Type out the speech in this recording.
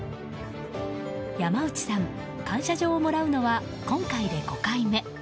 山内さん、感謝状をもらうのは今回で５回目。